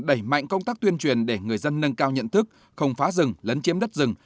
đẩy mạnh công tác tuyên truyền để người dân nâng cao nhận thức không phá rừng lấn chiếm đất rừng